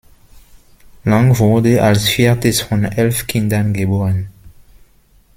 Lang wurde als viertes von elf Kindern geboren.